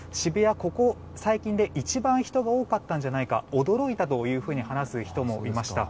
ここ最近で一番人出が多かったんじゃないかと驚いたというふうに話す人もいました。